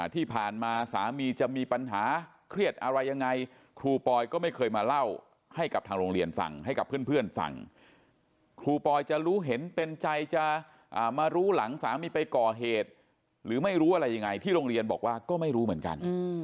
ที่ผ่านมาสามีจะมีปัญหาเครียดอะไรยังไงครูปอยก็ไม่เคยมาเล่าให้กับทางโรงเรียนฟังให้กับเพื่อนฟังครูปอยจะรู้เห็นเป็นใจจะมารู้หลังสามีไปก่อเหตุหรือไม่รู้อะไรยังไงที่โรงเรียนบอกว่าก็ไม่รู้เหมือนกัน